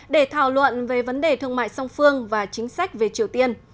để thảo luận về vấn đề thương mại song phương và chính sách về triều tiên